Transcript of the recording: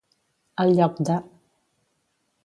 Al lloc de.